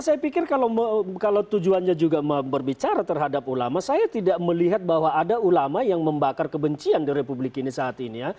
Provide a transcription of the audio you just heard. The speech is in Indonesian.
saya pikir kalau tujuannya juga berbicara terhadap ulama saya tidak melihat bahwa ada ulama yang membakar kebencian di republik ini saat ini ya